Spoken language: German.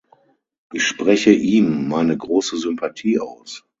Ich spreche ihm meine große Sympathie aus.